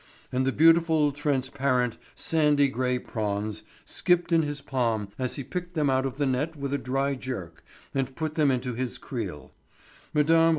And the beautiful transparent, sandy gray prawns skipped in his palm as he picked them out of the net with a dry jerk and put them into his creel. Mme.